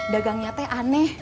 dagangnya teh aneh